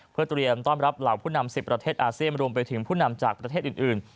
เพื่อเตรียมต้อนรับเหล่าผู้นำ๑๐ประเทศอาเซียนรวมไปถึงผู้นำจากประเทศอื่น